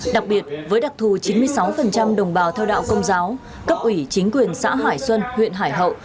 đặc biệt với đặc thù chín mươi sáu đồng bào theo đạo công giáo cấp ủy chính quyền xã hải xuân huyện hải hậu